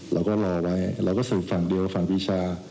เราก็รอไว้เราก็สืบฝั่งเดียวฝั่งปีชา